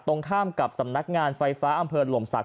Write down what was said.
ตรงข้ามกับสำนักงานไฟฟ้าอำเภอหล่มศักด